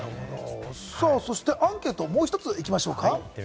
そしてアンケートをもう一つ、いきましょうか。